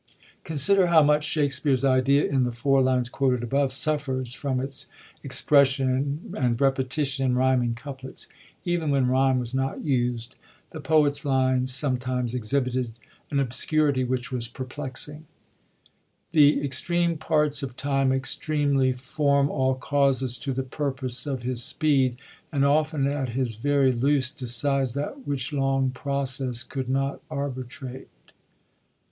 Consider how much Shakspere's idea, in the four lines quoted above, suffers from its expres sion and repetition in ryming couplets. Even when ryme was not used, the poet's lines sometimes exhibited an obscurity which was perplexing : "The extreme parts of time extremely form All causes to the purpose of his speed ; And often, at his very loose, decides That which long process could not arbitrate."